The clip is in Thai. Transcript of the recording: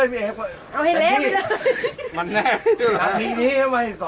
ไม่ทำไมต้องกำลังให้ยี่สน